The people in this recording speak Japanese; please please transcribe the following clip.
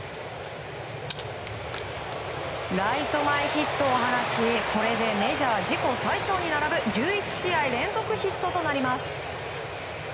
ライト前ヒットを放ちこれでメジャー自己最長に並ぶ１１試合連続ヒットとなります。